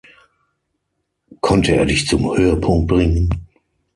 Konnte er dich zum Höhepunkt bringen?